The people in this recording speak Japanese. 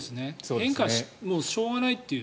変化はしょうがないという。